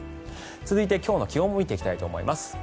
続いて、今日の気温も見ていきたいと思います。